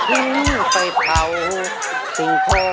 เพลงนี้อยู่ในอาราบัมชุดแจ็คเลยนะครับ